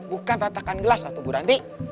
bukan tatakan gelas satu buranti